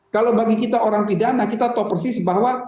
kalau bagi kita orang pidana kita tahu persis bahwa